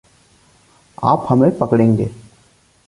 आप हमें पकड़ेंगे।